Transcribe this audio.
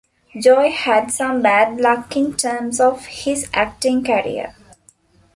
Joey had some bad luck in terms of his acting career.